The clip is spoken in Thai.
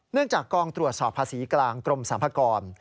จากกองตรวจสอบภาษีกลางกรมสรรพากร